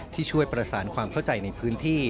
ช่วยประสานความเข้าใจในพื้นที่